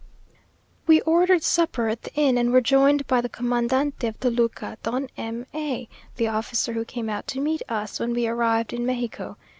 We ordered supper at the inn, and were joined by the Comandante of Toluca, Don M A , the officer who came out to meet us when we arrived in Mexico.